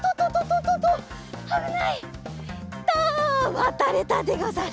わたれたでござる。